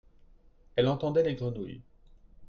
Elle entendait les grenouilles.